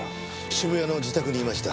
渋谷の自宅にいました。